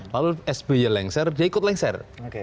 lalu sby lengser dia ikut lengser